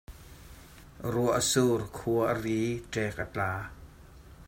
Ruah a sur, khua a ri, tek a tla.